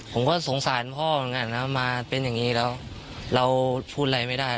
ผมก็สงสารพ่อเหมือนกันนะมาเป็นอย่างนี้แล้วเราพูดอะไรไม่ได้